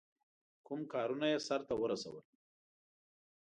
کوم کارونه یې سرته ورسول.